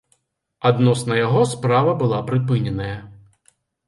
Адносна яго справа была прыпыненая.